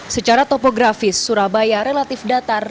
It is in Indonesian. secara topografis surabaya relatif datar